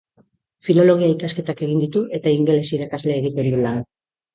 Filologia ikasketak egin ditu eta ingeles irakasle egiten du lan.